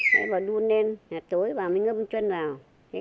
về mùa đông thì nó rét hai tay với chân nó rét